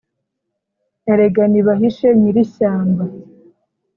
erega nibahishe nyirishyamba,